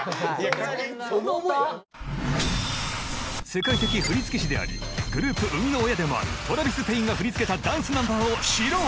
世界的振り付け師でありグループ生みの親でもあるトラヴィス・ペインが振り付けたダンスナンバーをシロウ！